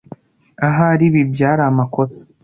Ahari ibi byari amakosa.